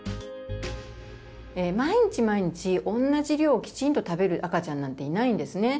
毎日毎日同じ量をきちんと食べる赤ちゃんなんていないんですね。